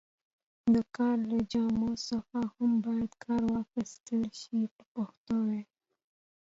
د کار له جامو څخه هم باید کار واخیستل شي په پښتو وینا.